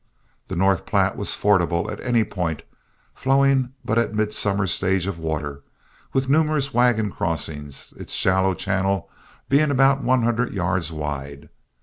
The North Platte was fordable at any point, flowing but a midsummer stage of water, with numerous wagon crossings, its shallow channel being about one hundred yards wide.